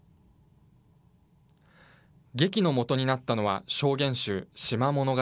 劇のもとになったのは証言集、島物語。